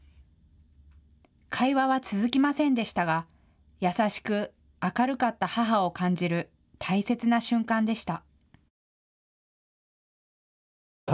会話は続きませんでしたが優しく明るかった母を感じる大切な瞬間でした。